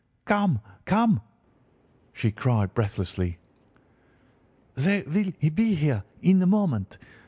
"'Come! come!' she cried breathlessly. 'They will be here in a moment.